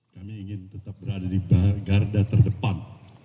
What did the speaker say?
kami ingin tetap berada di garda terdepan